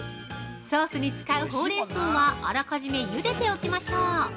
ソースに使うホウレンソウはあらかじめゆでておきましょう。